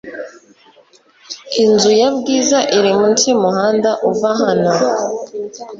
Inzu ya Bwiza iri munsi yumuhanda uva hano